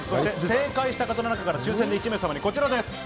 正解した方の中から抽選で１名様にこちらです。